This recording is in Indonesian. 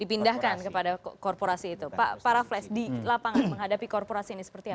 dipindahkan kepada korporasi itu pak para flash di lapangan menghadapi korporasi ini seperti apa